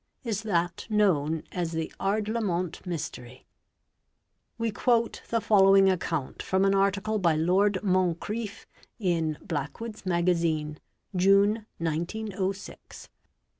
is that known as the Ardlamont Mystery. We quote the following account from an article by Lord Moncretff in " Black wood's Magazine, June, 1906, p.